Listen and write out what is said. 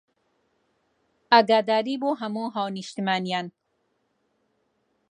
ئاگاداری بۆ هەموو هاونیشتمانیان